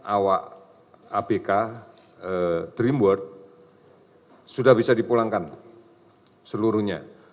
satu ratus delapan puluh delapan awak abk dream world sudah bisa dipulangkan seluruhnya